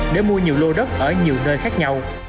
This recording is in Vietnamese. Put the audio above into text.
để mua nhiều lô đất ở nhiều nơi khác nhau